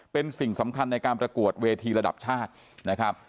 เป็นสิ่งสำคัญในการประกวดเวทีระดับชาตินะครับ